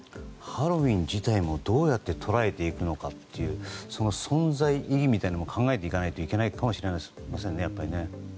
ハロウィーン自体もどう捉えていくのかというその存在意義も考えていかないといけないかもしれませんね。